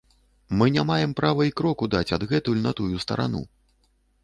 Мы не маем права і кроку даць адгэтуль у тую старану.